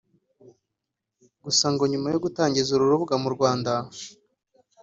gusa ngo nyuma yo gutangiza uru rubuga mu Rwanda